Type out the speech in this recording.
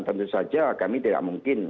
tentu saja kami tidak mungkin